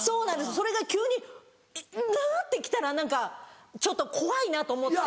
それが急に「ウゥ」って来たら何かちょっと怖いなと思って。